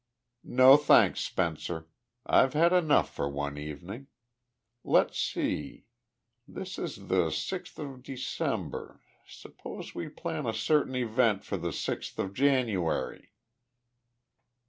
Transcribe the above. "No, thanks, Spencer. I've had enough for one evening. Let's see. This is the sixth of December. Suppose we plan a certain event for the sixth of January?"